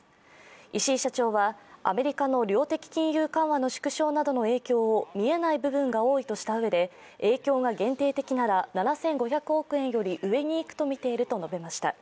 石井社長はアメリカの量的金融緩和の縮小などの影響を見えない部分が多いとしたうえで、影響が限定的なら、７５００億円より、上にいくとみていると述べました。